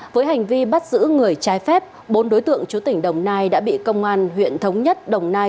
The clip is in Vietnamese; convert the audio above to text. với hành vi bắt giữ người trái phép bốn đối tượng chú tỉnh đồng nai đã bị công an huyện thống nhất đồng nai